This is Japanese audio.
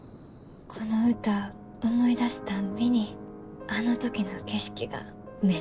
この歌思い出すたんびにあの時の景色が目の前に広がんねん。